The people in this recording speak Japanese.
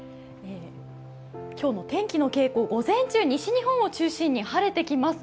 今日の天気の傾向、午前中西日本を中心に晴れてきます。